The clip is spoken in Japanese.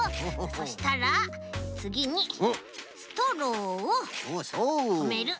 そしたらつぎにストローをとめる。